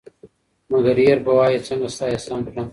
مگر هېر به وایه څنگه ستا احسان کړم